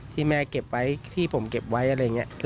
ที่แม่เก็บไว้ที่ผมเก็บไว้อะไรอย่างนี้